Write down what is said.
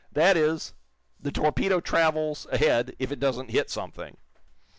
That is, the torpedo travels ahead if it doesn't hit something.